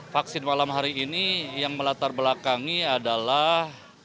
vaksin malam hari ini yang melatar belakangi adalah